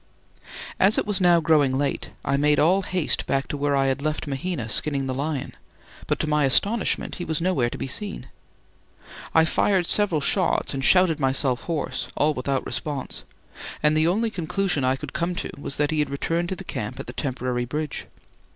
As it was now growing late, I made all haste back to where I had left Mahina skinning the lion, but to my astonishment he was nowhere to be seen. I fired several shots and shouted myself hoarse, all without response; and the only conclusion I could come to was that he had returned to the camp at the temporary bridge.